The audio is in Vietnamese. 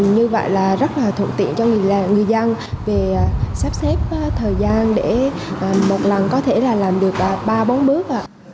như vậy là rất là thuận tiện cho người dân về sắp xếp thời gian để một lần có thể là làm được ba bốn bước